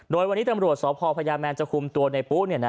โดยวันนี้ตำรวจสพพญาแมนจะคุมตัวในปุ๊